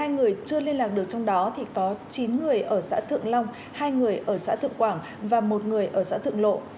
một mươi người chưa liên lạc được trong đó thì có chín người ở xã thượng long hai người ở xã thượng quảng và một người ở xã thượng lộ